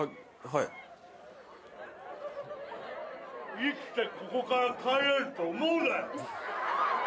生きてここから帰れると思うなよ。